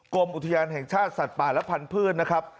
กรมอุทยานแห่งชาติสัตว์ป่าและพันธุ์นะครับ